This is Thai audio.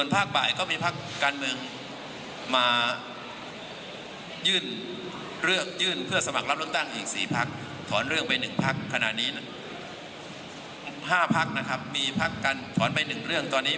๕พักนะครับมีพักกันถอนไปหนึ่งเรื่องตอนนี้